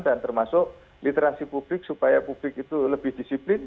dan termasuk literasi publik supaya publik itu lebih disiplin